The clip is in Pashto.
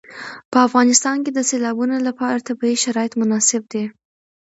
په افغانستان کې د سیلابونه لپاره طبیعي شرایط مناسب دي.